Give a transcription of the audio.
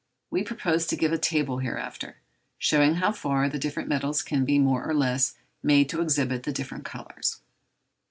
We propose to give a table hereafter, showing how far the different metals can be more or less made to exhibit the different colours.